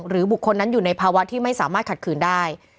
บุคคลนั้นอยู่ในภาวะที่ไม่สามารถขัดขืนได้